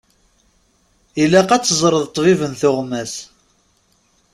Ilaq ad teẓreḍ ṭṭbib n tuɣmas.